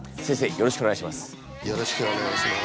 よろしくお願いします。